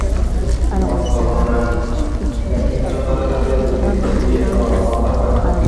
অন্তঃকরণে প্রণয়সঞ্চার থাকিলে দূতীর প্রতি এত অনাদর হয় না।